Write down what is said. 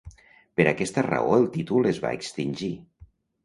Per aquesta raó el títol es va extingir.